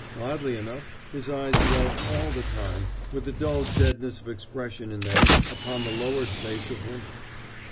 Oddly enough, his eyes dwelt all the time, with a dull deadness of expression in them, upon the lowered face of Winter.